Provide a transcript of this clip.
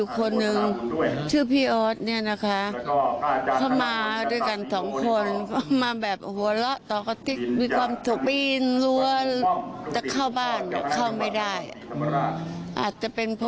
เขาไม่ได้ไปไหน